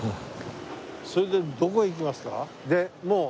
それでどこへ行きますか？